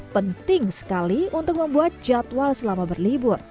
penting sekali untuk membuat jadwal selama berlibur